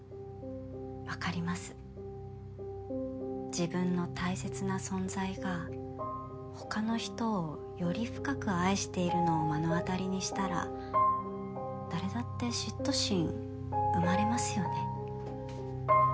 自分の大切な存在がほかの人をより深く愛しているのを目の当たりにしたら誰だって嫉妬心生まれますよね。